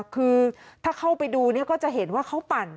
คือถ้าเข้าไปดูก็จะเห็นว่าเขาปั่น